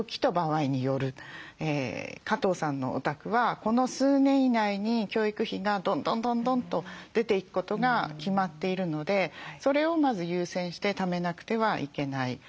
加藤さんのお宅はこの数年以内に教育費がどんどんどんどんと出ていくことが決まっているのでそれをまず優先してためなくてはいけない。